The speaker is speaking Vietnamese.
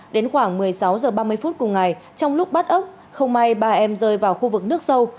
đến khoảng một mươi sáu h ba mươi phút cùng ngày trong lúc bắt ốc không may ba em rơi vào khu vực nước sâu